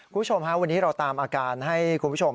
คุณผู้ชมฮะวันนี้เราตามอาการให้คุณผู้ชม